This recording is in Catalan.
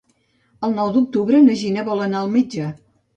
El nou d'octubre na Gina vol anar al metge.